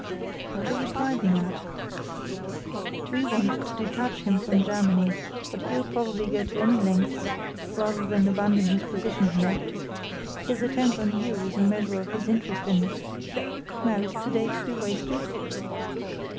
"What are you driving at?" "We want to detach him from Germany, but he'll probably go to any lengths rather than abandon his position here. His attempt on you is the measure of his interest in it. Now, is to day to be wasted?"